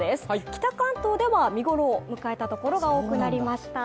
北関東では見頃を迎えたところが多くなりました。